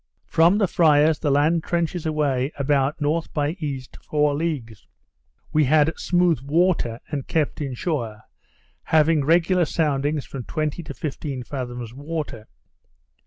From the Friars the land trenches away about N. by E. four leagues: We had smooth water, and kept in shore, having regular soundings from twenty to fifteen fathoms water.